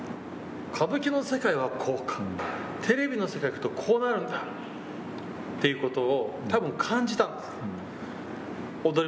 歌舞伎の世界はこうか、テレビの世界へ行くとこうなるんだっていうことをたぶん感じたんですよ。